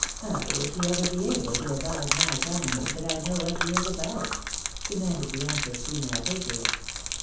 How will she ever be able to abide my telling her that I know what she is about ?" demanded the anxious female patriot.